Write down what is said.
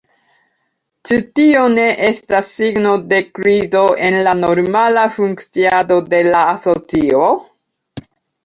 Ĉu tio ne estas signo de krizo en la normala funkciado de la asocio?